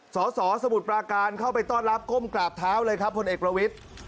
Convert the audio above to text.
สสสมุทรปราการเข้าไปต้อนรับก้มกราบเท้าเลยครับพลเอกประวิทธิ์